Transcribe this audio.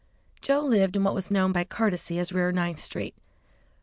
Joe lived in what was known by courtesy as Rear Ninth Street.